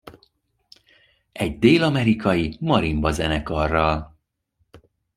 Egy dél-amerikai marimba-zenekarral.